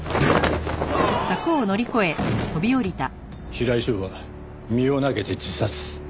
平井翔は身を投げて自殺。